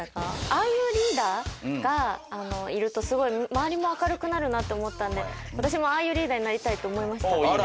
ああいうリーダーがいるとすごい周りも明るくなるなって思ったんで私もああいうリーダーになりたいって思いました。